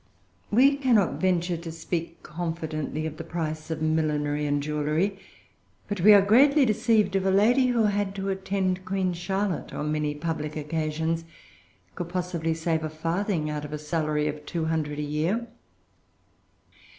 We cannot venture to speak confidently[Pg 360] of the price of millinery and jewelry; but we are greatly deceived if a lady, who had to attend Queen Charlotte on many public occasions, could possibly save a farthing out of a salary of two hundred a year.